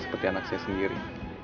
seperti anak saya sendiri